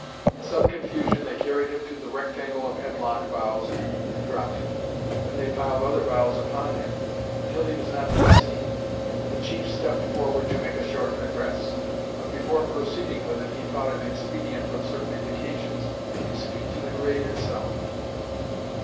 In some confusion they carried him to the rectangle of hemlock boughs and dropped him. Then they piled other boughs upon him until he was not to be seen. The chief stepped forward to make a short address, but before proceeding with it he thought it expedient, from certain indications, to speak to the grave itself.